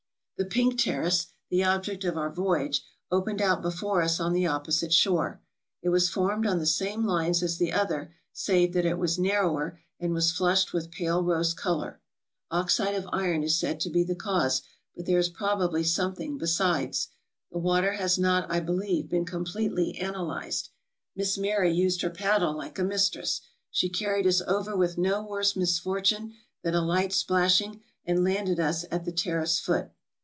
The Pink Terrace, the object of our voyage, opened out before us on the opposite shore. It was formed on the same lines as the other, save that it was narrower, and was flushed with pale rose color. Oxide of iron is said to be the cause, but there is probably something besides. The water has not, I believe, been completely analyzed. Miss Mari used her paddle like a mistress. She carried us over with no worse misfortune than a light splashing, and landed us at the Terrace foot.